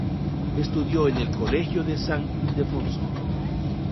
Estudió en el Colegio de San Ildefonso.